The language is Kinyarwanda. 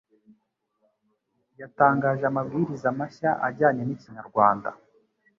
yatangaje amabwiriza mashya ajyanye n'ikinyarwanda